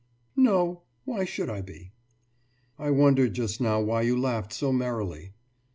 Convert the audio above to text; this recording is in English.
« »No. Why should I be?« »I wondered just now when you laughed so merrily.